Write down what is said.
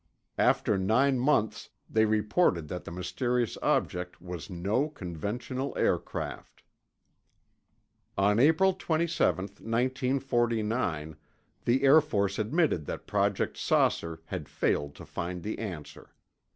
After nine months, they reported that the mysterious object was no conventional aircraft. On April 27, 1949, the Air Force admitted that Project "Saucer" had failed to find the answer.